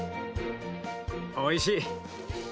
おいしい。